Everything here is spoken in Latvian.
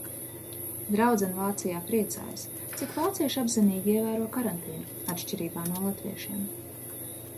Draudzene Vācijā priecājas, cik vācieši apzinīgi ievēro karantīnu, atšķirībā no latviešiem.